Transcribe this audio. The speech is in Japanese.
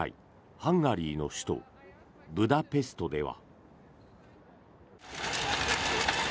ハンガリーの首都ブダペストでは。